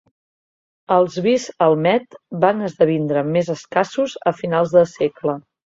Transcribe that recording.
Els bis al Met van esdevindre més escassos a finals de segle.